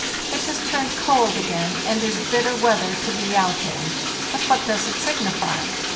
It has turned cold again, and is bitter weather to be out in. But what does it signify?